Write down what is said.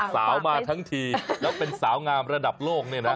สาวมาทั้งทีแล้วเป็นสาวงามระดับโลก